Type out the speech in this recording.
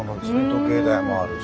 時計台もあるし。